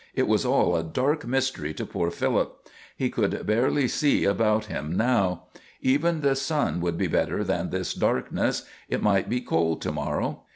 It was all a dark mystery to poor Philip. He could barely see about him now. Even the sun would be better than this darkness. It might be cold to morrow.